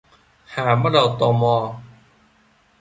Hà bắt đầu tò mò